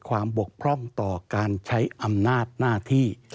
บกพร่องต่อการใช้อำนาจหน้าที่